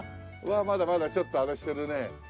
まだまだちょっとあれしてるね。